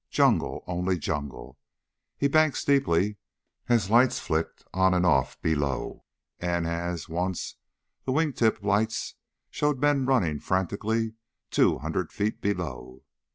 Jungle, only jungle. He banked steeply as lights flicked on and off below and as once the wing tip lights showed men running frantically two hundred feet below.